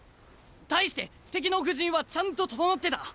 対して敵の布陣はちゃんと整ってた。